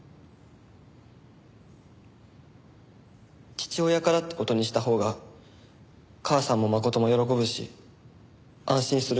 父親からって事にしたほうが母さんも真も喜ぶし安心するから。